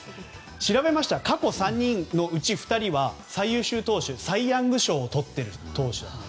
調べましたら、過去３人いてうち２人は最優秀投手のサイ・ヤング賞をとっている投手だと。